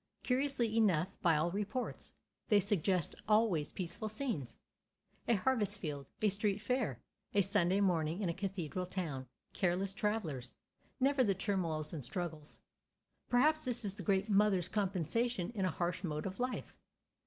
Curiously enough, by all reports, they suggest always peaceful scenes—a harvest field, a street fair, a Sunday morning in a cathedral town, careless travelers—never the turmoils and struggles. Perhaps this is the great Mother's compensation in a harsh mode of life.